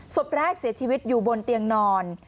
ศพแรกเสียชีวิตอยู่บนเตียงนอน